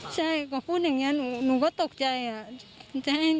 ใช่ก็พูดอย่างนี้หนูก็ตกใจอะ